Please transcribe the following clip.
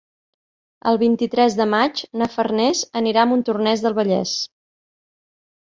El vint-i-tres de maig na Farners anirà a Montornès del Vallès.